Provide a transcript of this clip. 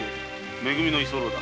め組の居候だ。